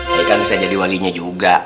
saya kan bisa jadi walinya juga